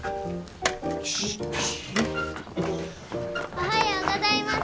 おはようございます。